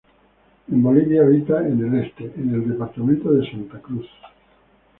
En Bolivia habita en el este, en el departamento de Santa Cruz.